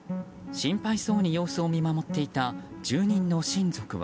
心配そうに様子を見守っていた住人の親族は。